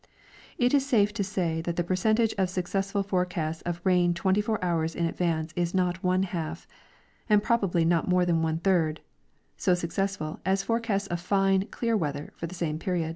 It is safe to say that the percentage of successful forecasts of rain twenty four hours in advance is not one half, and probabl}^ not more than one third, so successful as forecasts of fine, clear weather for the same period.